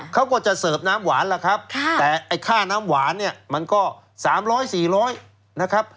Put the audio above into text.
เขาก็จะเสิร์ฟน้ำหวานล่ะครับแต่ไอ้ค่าน้ำหวานเนี่ยมันก็๓๐๐๔๐๐นะครับ